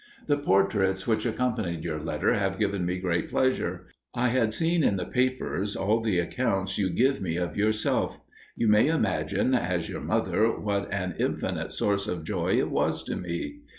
"The portraits which accompanied your letter have given me great pleasure. I had seen in the papers all the accounts you give me of yourself. You may imagine, as your mother, what an infinite source of joy it was to me.